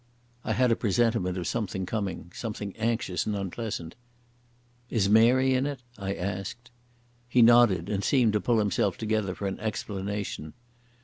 I had a presentiment of something coming, something anxious and unpleasant. "Is Mary in it?" I asked. He nodded and seemed to pull himself together for an explanation.